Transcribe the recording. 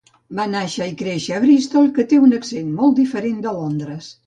Va nàixer i créixer a Bristol, que té un accent molt diferent de Londres.